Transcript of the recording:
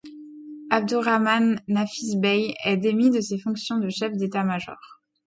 Abdurrahman Nafiz Bey est démis de ses fonctions de chef d'état major.